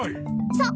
そう。